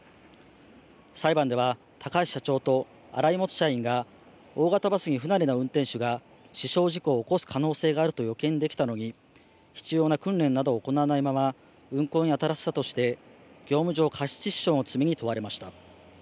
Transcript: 裁判では高橋社長と荒井元社員が大型バスに不慣れな運転手が死傷事故を起こす可能性があると予見できたのに必要な訓練などを行わないまま運行にあたらせたとして業務上過失致死傷の罪に問われました。